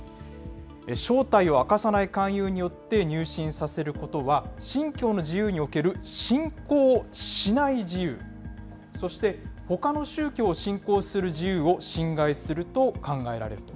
正体を明かさない勧誘によって入信させることは、信教の自由における信仰しない自由、そして、ほかの宗教を信仰する自由を侵害すると考えられると。